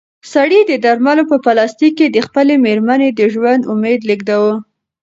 سړي د درملو په پلاستیک کې د خپلې مېرمنې د ژوند امید لېږداوه.